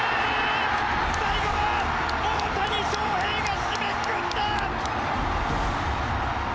最後は大谷翔平が締めくくった！